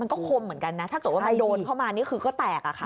ก็คมเหมือนกันนะถ้าเกิดว่ามันโดนเข้ามานี่คือก็แตกอะค่ะ